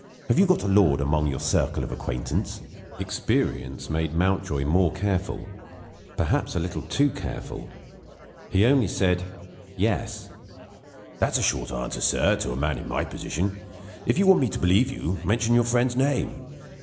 Have you got a lord among your circle of acquaintance?" Experience made Mountjoy more careful; perhaps a little too careful. He only said "Yes." The doctor's dignity asserted itself. "That's a short answer, sir, to a man in my position. If you want me to believe you, mention your friend's name."